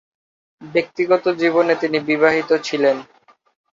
ব্যক্তিগত জীবনে তিনি বিবাহিত ছিলেন।